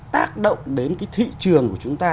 tác động đến cái thị trường của chúng ta